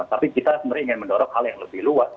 tapi kita sebenarnya ingin mendorong hal yang lebih luas